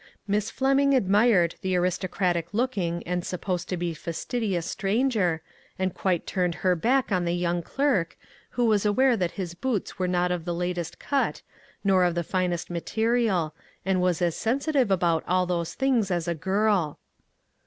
Miss Fleming admired the aris tocratic looking and supposed to be fastidi ous stranger, and quite turned her back on the young clerk, who was aware that his boots were not of the latest cut, nor of the finest material, and was as sensitive about all those things as a girl.